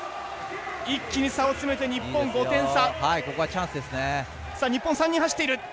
一気に差を詰めて、日本５点差！